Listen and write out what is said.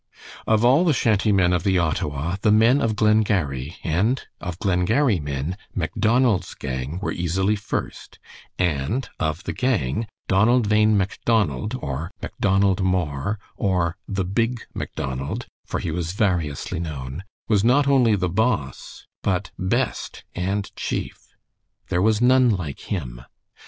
Of all the shanty men of the Ottawa the men of Glengarry, and of Glengarry men Macdonald's gang were easily first, and of the gang Donald Bhain Macdonald, or Macdonald More, or the Big Macdonald, for he was variously known, was not only the "boss" but best and chief. There was none like him.